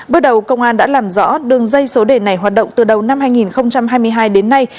bước đầu công an đã làm rõ đường dây số đề này hoạt động từ đầu năm hai nghìn hai mươi hai đến nay